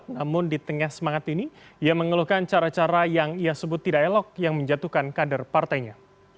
namun di tengah semangat ini ia mengeluhkan cara cara yang ia sebut tidak elok yang menjatuhkan kader partainya